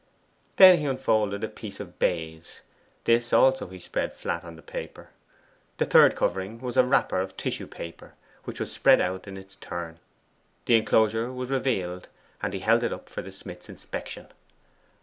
Then he unfolded a piece of baize: this also he spread flat on the paper. The third covering was a wrapper of tissue paper, which was spread out in its turn. The enclosure was revealed, and he held it up for the smith's inspection.